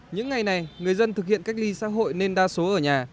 những ngày này người dân thực hiện cách ly xã hội nên đa số ở nhà